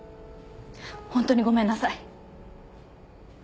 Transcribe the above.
本当にごめんなさい。